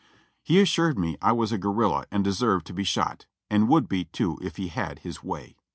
He assured me I was a guerrilla and deserved to be shot, and would be too if he had his way.